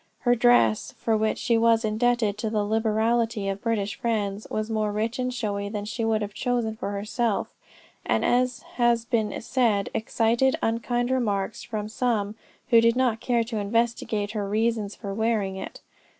Her dress, for which she was indebted to the liberality of British friends, was more rich and showy than she would have chosen for herself, and as has been said, excited unkind remarks from some who did not care to investigate her reasons for wearing it.